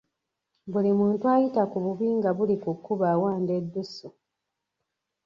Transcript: Buli muntu ayita ku bubi nga buli ku kkubo awanda eddusu.